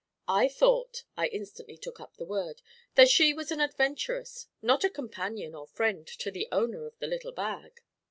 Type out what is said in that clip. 'I thought,' I instantly took up the word, 'that she was an adventuress, not a companion or friend to the owner of the little bag.'